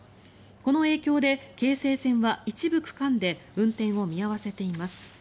この影響で京成線は一部区間で運転を見合わせています。